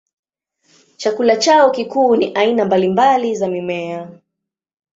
Chakula chao kikuu ni aina mbalimbali za mimea.